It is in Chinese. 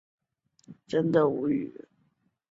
而后者亦选择了出国留学。